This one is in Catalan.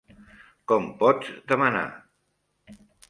Com pots demanar??